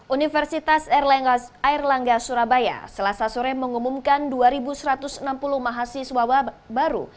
universitas airlangga surabaya selasa sore mengumumkan dua satu ratus enam puluh mahasiswa baru